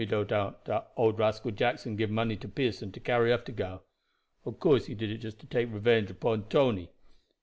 "Me no doubt dat old rascal Jackson give money to Pearson to carry off de gal. Ob course he did it just to take revenge upon Tony.